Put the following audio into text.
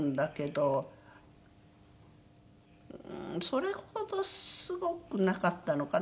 それほどすごくなかったのかな？